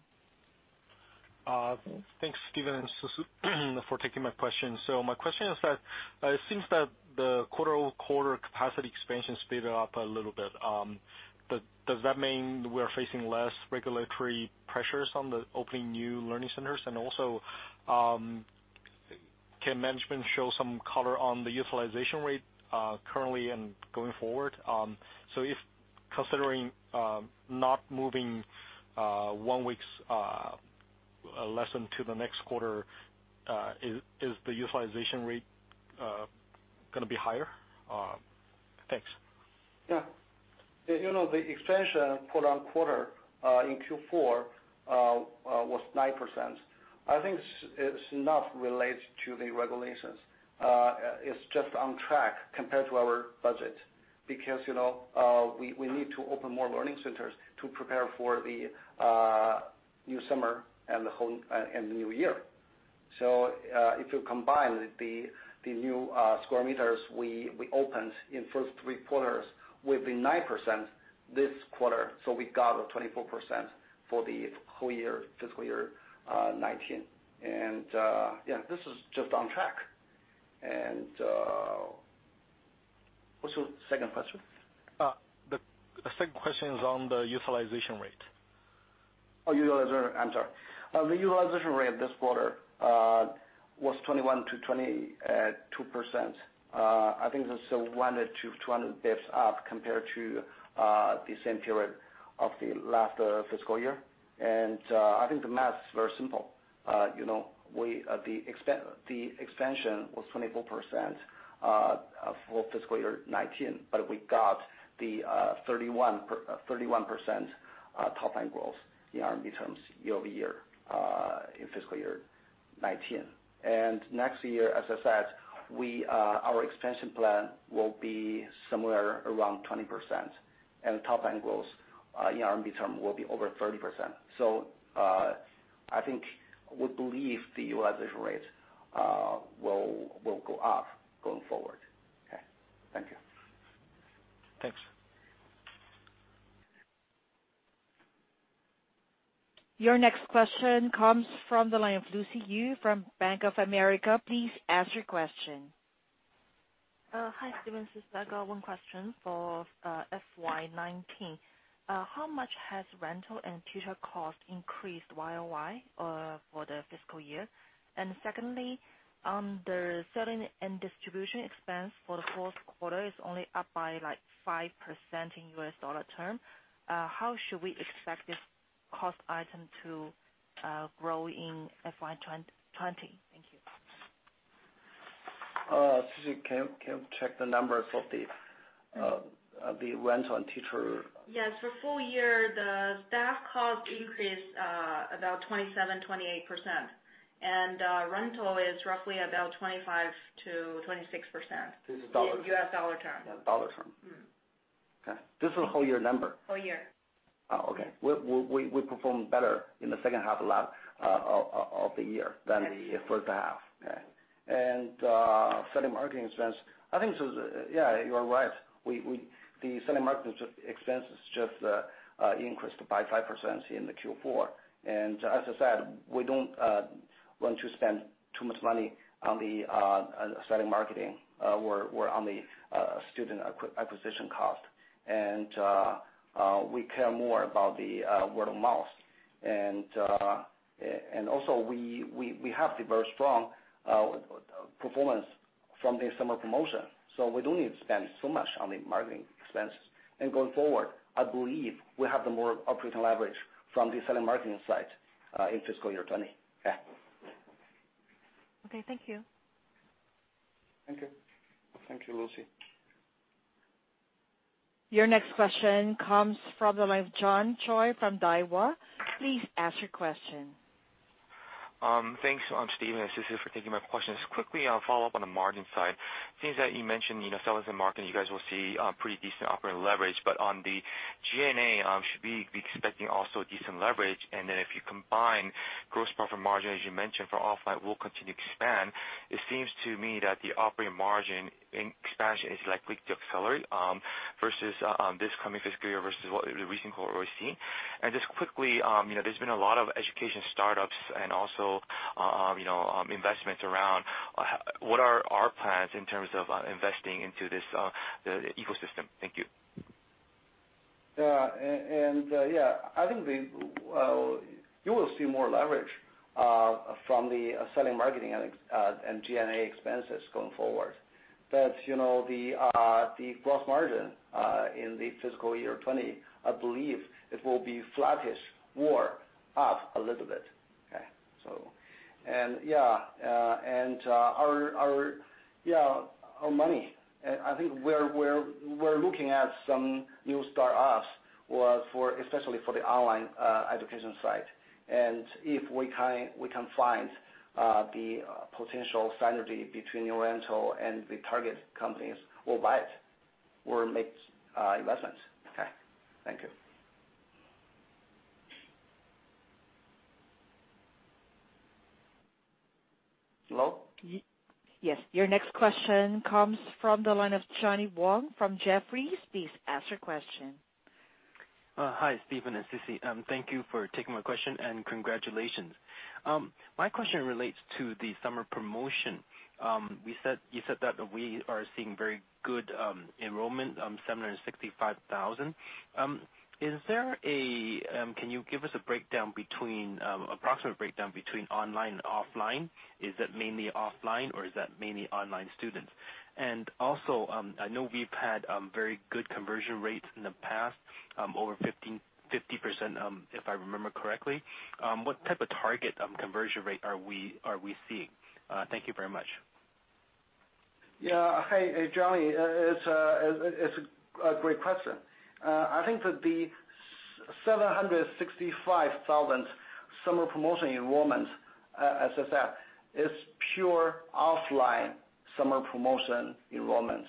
Thanks, Stephen and Sisi, for taking my question. My question is that it seems that the quarter-over-quarter capacity expansion sped up a little bit. Does that mean we are facing less regulatory pressures on the opening new learning centers? Also, can management show some color on the utilization rate currently and going forward? If considering not moving one week's lesson to the next quarter, is the utilization rate going to be higher? Thanks. Yeah. The expansion quarter-on-quarter in Q4 was 9%. I think it's not related to the regulations. It's just on track compared to our budget because we need to open more learning centers to prepare for the new summer and the new year. If you combine the new square meters we opened in first three quarters with the 9% this quarter, we got a 24% for the whole year, fiscal year 2019. This is just on track. What's your second question? The second question is on the utilization rate. I'm sorry. The utilization rate this quarter was 21%-22%. I think this is 100-200 basis points up compared to the same period of the last fiscal year. I think the math is very simple. The expansion was 24% for fiscal year 2019, but we got the 31% top line growth in RMB terms year-over-year in fiscal year 2019. Next year, as I said, our expansion plan will be somewhere around 20%, and top line growth in RMB term will be over 30%. I think we believe the utilization rate will go up going forward. Okay. Thank you. Thanks. Your next question comes from the line of Lucy Yu from Bank of America. Please ask your question. Hi, Stephen, Sisi. I got one question for FY 2019. How much has rental and tutor cost increased year-over-year for the fiscal year? Secondly, on the selling and distribution expense for the fourth quarter is only up by 5% in U.S. dollar term. How should we expect this cost item to grow in FY 2020? Thank you. Sisi, can you check the numbers of the rent on tutor? Yes. For full-year, the staff cost increased about 27%, 28%, and rental is roughly about 25%-26%. This is dollar term. U.S. dollar term. Dollar term. Okay. This is whole year number? Whole year. Oh, okay. We performed better in the second half of the year than the first half. Okay. Selling marketing expense, I think, Sisi, yeah, you are right. The selling marketing expense just increased by 5% in Q4. As I said, we don't want to spend too much money on the selling marketing or on the student acquisition cost. We care more about the word of mouth. Also we have the very strong performance from the summer promotion. We don't need to spend so much on the marketing expenses. Going forward, I believe we have the more operating leverage from the selling marketing side in fiscal year 2020. Yeah. Okay, thank you. Thank you. Thank you, Lucy. Your next question comes from the line of John Choi from Daiwa. Please ask your question. Thanks, Stephen and Sisi, for taking my questions. Quickly, I'll follow up on the margin side. Things that you mentioned, sales and marketing, you guys will see pretty decent operating leverage, but on the G&A should be expecting also decent leverage. Then if you combine gross profit margin, as you mentioned, for offline will continue to expand, it seems to me that the operating margin expansion is likely to accelerate versus this coming fiscal year versus what the recent quarter we're seeing. Just quickly, there's been a lot of education startups and also investments around. What are our plans in terms of investing into this ecosystem? Thank you. Yeah. I think you will see more leverage from the selling, marketing, and G&A expenses going forward. The gross margin in the fiscal year 2020, I believe it will be flattish or up a little bit. Okay. Our money, I think we're looking at some new startups, especially for the online education side. If we can find the potential synergy between New Oriental and the target companies, we'll buy it. We'll make investments. Okay. Thank you. Hello. Yes. Your next question comes from the line of Johnny Wong from Jefferies. Please ask your question. Hi, Stephen and Sisi. Thank you for taking my question, and congratulations. My question relates to the summer promotion. You said that we are seeing very good enrollment, 765,000. Can you give us an approximate breakdown between online and offline? Is it mainly offline, or is that mainly online students? Also, I know we've had very good conversion rates in the past, over 50%, if I remember correctly. What type of target conversion rate are we seeing? Thank you very much. Yeah. Hey, Johnny. It's a great question. I think that the 765,000 summer promotion enrollments, as I said, is pure offline summer promotion enrollments.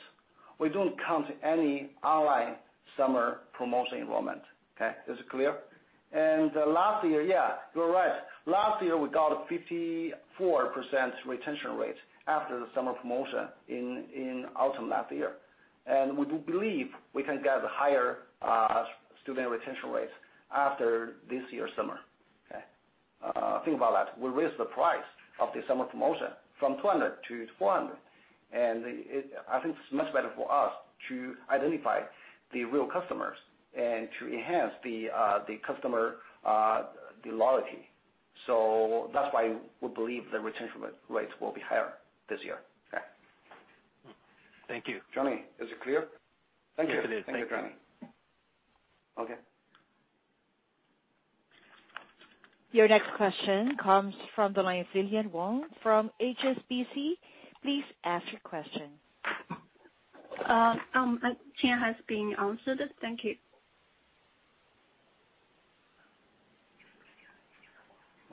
We don't count any online summer promotion enrollment. Okay? Is it clear? Last year, yeah, you're right. Last year, we got a 54% retention rate after the summer promotion in autumn last year. We do believe we can get higher student retention rates after this year's summer. Okay? Think about that. We raised the price of the summer promotion from 200 to 400, and I think it's much better for us to identify the real customers and to enhance the customer loyalty. That's why we believe the retention rates will be higher this year. Okay. Thank you. Johnny, is it clear? Thank you. Yes, it is. Thank you. Thank you, Johnny. Okay. Your next question comes from the line of Lilian Wong from HSBC. Please ask your question. My question has been answered. Thank you.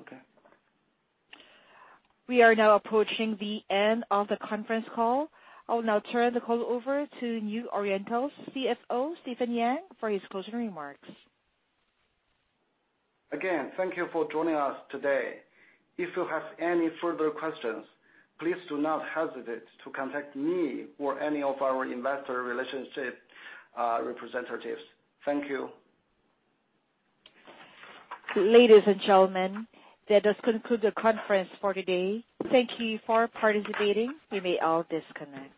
Okay. We are now approaching the end of the conference call. I will now turn the call over to New Oriental's CFO, Stephen Yang, for his closing remarks. Again, thank you for joining us today. If you have any further questions, please do not hesitate to contact me or any of our Investor Relations representatives. Thank you. Ladies and gentlemen, that does conclude the conference for today. Thank you for participating. You may all disconnect.